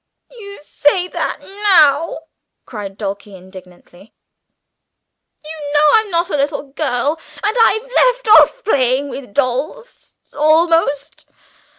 "You say that now!" cried Dulcie indignantly. "You know I'm not a little girl, and I've left off playing with dolls almost.